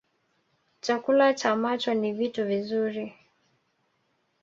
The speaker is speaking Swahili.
Chakula cha macho ni vitu vizuri